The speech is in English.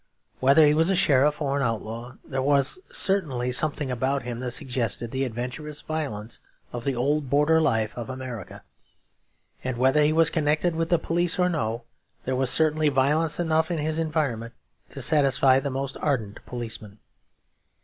Whether he was a sheriff or an outlaw, there was certainly something about him that suggested the adventurous violence of the old border life of America; and whether he was connected with the police or no, there was certainly violence enough in his environment to satisfy the most ardent policeman.